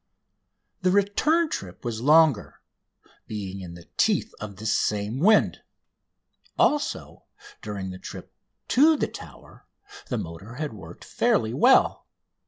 The return trip was longer, being in the teeth of this same wind. Also, during the trip to the Tower the motor had worked fairly well.